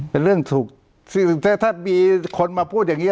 เป็นเรื่องถูกซึ่งถ้ามีคนมาพูดอย่างนี้